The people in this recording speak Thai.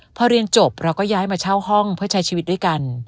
พอเรียนจบเราก็ย้ายมาเช่าห้องเพื่อใช้ชีวิตด้วยกัน